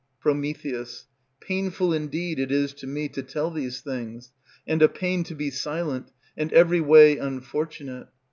Pr. Painful indeed it is to me to tell these things, And a pain to be silent, and every way unfortunate.